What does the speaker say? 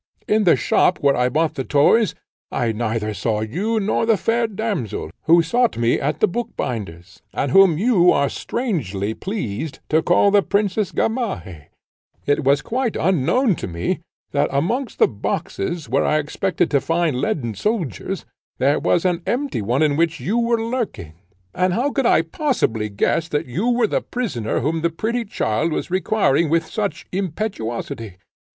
In the shop where I bought the toys, I neither saw you nor the fair damsel, who sought me at the bookbinder's, and whom you are strangely pleased to call the Princess Gamaheh. It was quite unknown to me, that amongst the boxes, where I expected to find leaden soldiers, there was an empty one in which you were lurking; and how could I possibly guess that you were the prisoner whom the pretty child was requiring with such impetuosity?